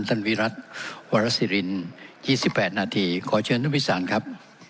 ตันวิรัติวารสิรินยี่สิบแปดนาทีขอเชิญท่านวิสานครับ